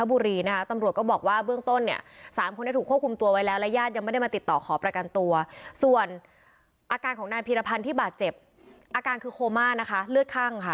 พี่พี่พี่พี่พี่พี่พี่พี่พี่พี่พี่พี่พี่